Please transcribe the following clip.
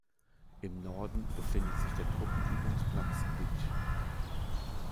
Im Norden befindet sich der Truppenübungsplatz Bitsch.